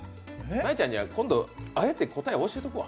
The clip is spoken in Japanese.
真悠ちゃんには、今度あえて答え教えておくわ。